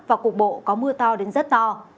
và cuộc bộ có mưa to đến rất to